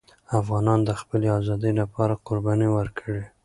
افغانانو د خپلې آزادۍ لپاره قربانۍ ورکړې.